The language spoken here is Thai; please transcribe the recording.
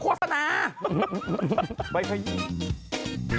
กล้องแผ่นอันดาหน้าแบบนี้หรือ